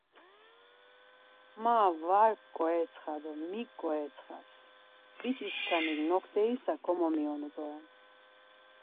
Ma var p̌ǩoretsxa do mik ǩoretsxas, biç̌iskanik nokterisa komomionu doren.